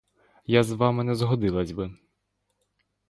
Я з вами не згодилась би.